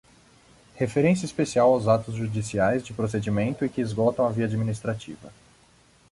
Referência especial aos atos judiciais, de procedimento e que esgotam a via administrativa.